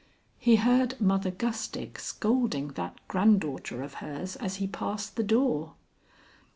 He heard Mother Gustick scolding that granddaughter of hers as he passed the door.